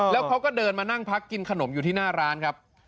แล้วเขาก็เดินมานั่งพักกินขนมอยู่ที่หน้าร้านครับ